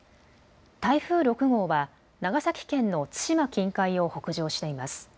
台風６号は長崎県の対馬近海を北上しています。